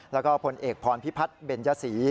แล้วก็พลเอกพรพิพัฒน์เบญยศรี